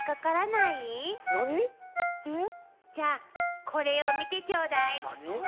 じゃあこれを見てちょうだい。